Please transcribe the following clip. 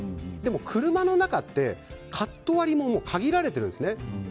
でも車の中ってカット割りも限られているんですね。